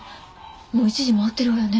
もう１時回ってるわよね。